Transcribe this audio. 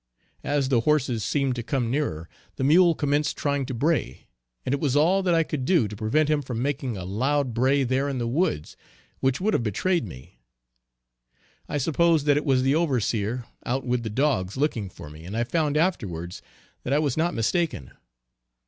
As the horses seemed to come nearer, the mule commenced trying to bray, and it was all that I could do to prevent him from making a loud bray there in the woods, which would have betrayed me. I supposed that it was the overseer out with the dogs looking for me, and I found afterwards that I was not mistaken.